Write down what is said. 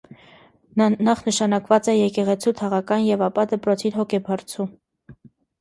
Նախ նշանակուած է եկեղեցւոյ թաղական եւ ապա դպրոցին՝ հոգաբարձու։